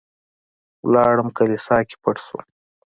لاړم کليسا کې پټ شوم.